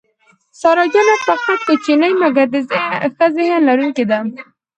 سارا جانه په قد کوچنۍ مګر د ښه ذهن لرونکې ده.